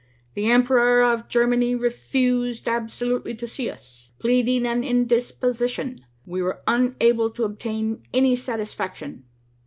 "The Emperor of Germany refused absolutely to see us, pleading an indisposition. We were unable to obtain any satisfaction."